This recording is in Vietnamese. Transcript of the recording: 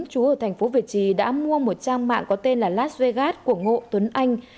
chú ở thành phố việt trì đã mua một trang mạng có tên là las vegas của ngộ tuấn anh